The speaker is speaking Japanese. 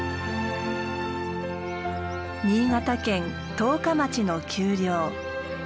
新潟県十日町の丘陵。